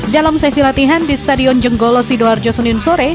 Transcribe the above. dalam sesi latihan di stadion jenggolo sidoarjo senin sore